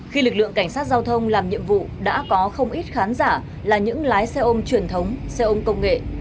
khi lực lượng cảnh sát giao thông làm nhiệm vụ đã có không ít khán giả là những lái xe ôm truyền thống xe ôm công nghệ